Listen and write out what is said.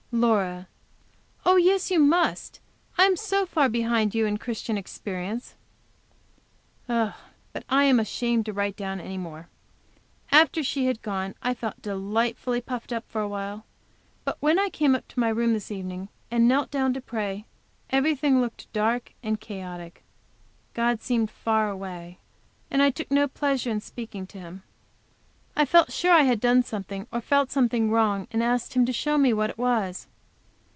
Laura. "Oh, yes, you must. I am so far behind you in Christian experience." But I am ashamed to write down any more. After she had gone I felt delightfully puffed up for a while. But when I came up to my room this evening, and knelt down to pray, everything looked dark and chaotic. God seemed far away, and I took no pleasure in speaking to Him. I felt sure that I had done something or felt something wrong, and asked Him to show me what it was.